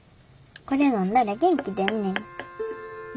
これ飲んだら元気出んねん。